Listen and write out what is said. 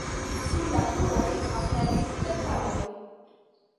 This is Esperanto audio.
Sur la muroj aperis pentraĵoj.